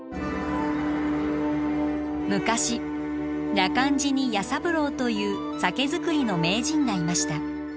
昔羅漢寺に弥三郎という酒造りの名人がいました。